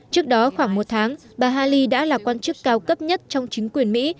trước đó khoảng một tháng bà haley đã là quan chức cao cấp nhất trong chính quyền mỹ